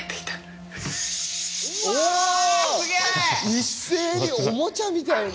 一斉におもちゃみたいに。